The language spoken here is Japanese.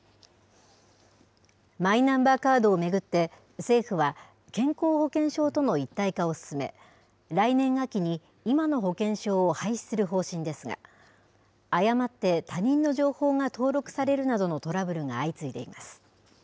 マイナンバーカードを巡って、政府は、健康保険証との一体化を進め、来年秋に今の保険証を廃止する方針ですが、誤って他人の情報が登録されるなどのトラブルが相次いでいます。